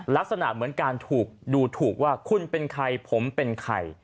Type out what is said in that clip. ลักษณะเหมือนการถูกดูถูกว่าคุณเป็นใครผมเป็นใคร